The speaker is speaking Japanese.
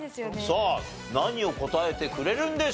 さあ何を答えてくれるんでしょうか？